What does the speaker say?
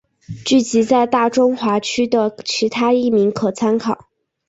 剧集在大中华区的其他译名可参考。